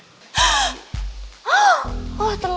nyonya dengan juragan mau car ya